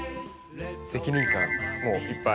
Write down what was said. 責任感もいっぱい。